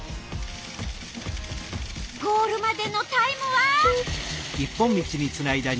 ゴールまでのタイムは。